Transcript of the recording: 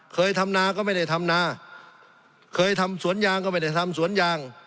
เคยทำนาก็ไม่ได้ทำนาเคยทำสวนยางก็ไม่ได้ทำสวนยาง